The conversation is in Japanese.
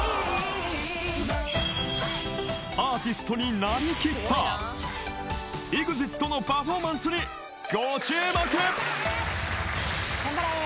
［アーティストになりきったＥＸＩＴのパフォーマンスにご注目］